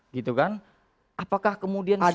gitu kan apakah kemudian